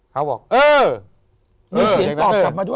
เขาบอกเออมีเสียงตอบกลับมาด้วย